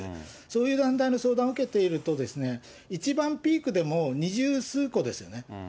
そういう団体の相談を受けていると、一番ピークでも、二十数個ですよね。